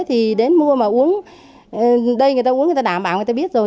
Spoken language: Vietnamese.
thì đến mua mà uống đây người ta uống người ta đảm bảo người ta biết rồi